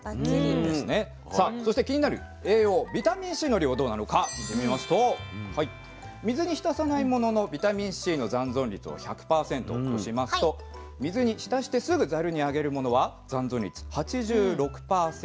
さあそして気になる栄養ビタミンＣの量どうなのか見てみますと水に浸さないもののビタミンＣの残存率を１００％としますと水に浸してすぐざるにあげるものは残存率８６％。